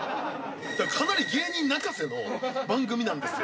かなり芸人泣かせの番組なんです